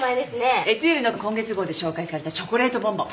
『エトゥール』の今月号で紹介されたチョコレートボンボン。